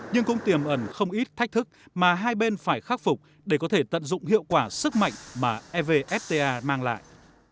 nhưng cũng tiềm ẩn không ít thách thức mà hai bên phải khắc phục để có thể tận dụng hiệu quả sức mạnh mà evfta mang lại